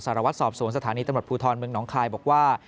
สารวัตรสอบสวนสถานีตำรวจภูทรเมืองหนองคายบอกว่า